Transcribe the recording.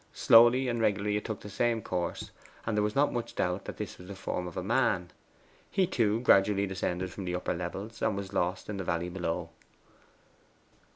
Slowly and regularly it took the same course, and there was not much doubt that this was the form of a man. He, too, gradually descended from the upper levels, and was lost in the valley below.